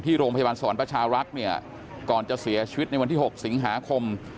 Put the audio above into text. ที่โรงพยาบาลสวรรค์ประชารักษณ์ก่อนจะเสียชีวิตในวันที่๖สิงหาคม